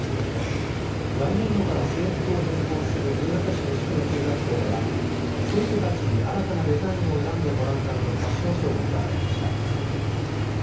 来年度から制服を変更する新潟市西区の中学校では生徒たちに新たなデザインを選んでもらうためのファッションショーが開かれました。